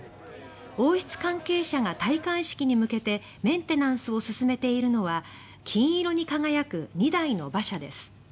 王室関係者が戴冠式に向けてメンテナンスを進めているのは金色に輝く２台の馬車です。